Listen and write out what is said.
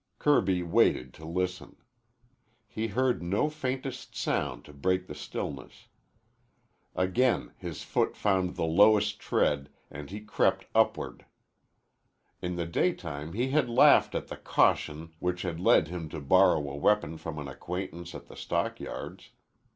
Kirby waited to listen. He heard no faintest sound to break the stillness. Again his foot found the lowest tread and he crept upward. In the daytime he had laughed at the caution which had led him to borrow a weapon from an acquaintance at the stockyards.